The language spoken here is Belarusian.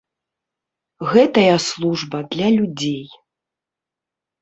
Гэтая служба для людзей.